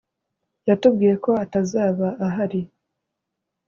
Yatubwiye ko atazaba ahari